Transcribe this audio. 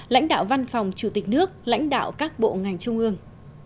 lãnh đạo văn phòng chủ tịch nước lãnh đạo các bộ ngành trung ương